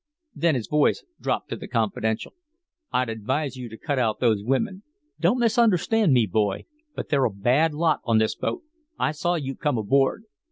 Then his voice dropped to the confidential: "I'd advise you to cut out those women. Don't misunderstand me, boy, but they're a bad lot on this boat. I saw you come aboard.